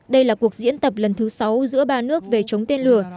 đây là cuộc diễn tập lần thứ sáu giữa ba nước về chống tên lửa